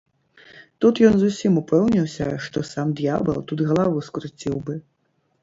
Тут ён зусім упэўніўся, што сам д'ябал тут галаву скруціў бы.